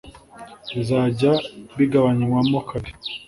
Bizajya bigabanywamo kabiri